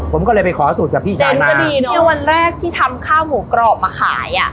ผมก็เลยไปขอสูตรกับพี่แจ๊ะพอดีเนี้ยวันแรกที่ทำข้าวหมูกรอบมาขายอ่ะ